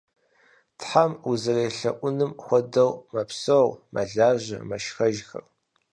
Тхьэм узэрелъэӏунум хуэдэу мэпсэу, мэлажьэ, мэшхэжхэр.